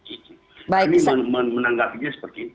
jadi menanggapinya seperti itu